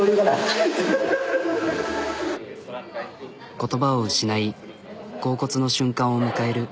言葉を失いこうこつの瞬間を迎える。